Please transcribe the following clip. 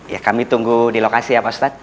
ya kami tunggu di lokasi ya pak ustadz